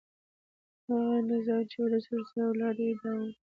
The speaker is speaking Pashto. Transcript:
هغه نظام چې ولس ورسره ولاړ وي دوام کوي